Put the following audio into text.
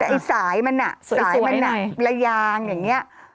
แต่ไอ้สายมันอะสายมันใดยางอย่างนี้